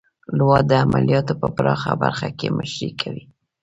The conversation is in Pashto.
لوا د عملیاتو په پراخه برخه کې مشري کوي.